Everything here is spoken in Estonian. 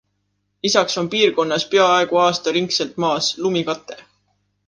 Lisaks on piirkonnas peaaegu aastaringselt maas lumikate.